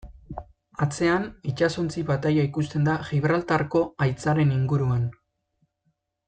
Atzean, itsasontzi-bataila ikusten da Gibraltarko haitzaren inguruan.